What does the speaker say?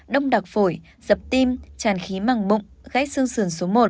đông đặc phổi dập tim tràn khí mẳng bụng gách xương sườn số một